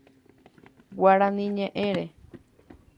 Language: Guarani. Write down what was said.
Guaraní ñeʼẽre.